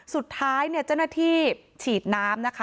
สุดท้ายเนี่ยเจ้าหน้าที่ฉีดน้ำนะคะ